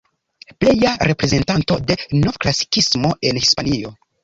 Pleja reprezentanto de novklasikismo en Hispanio.